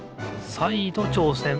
さいどちょうせん。